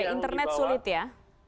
internet sulit ya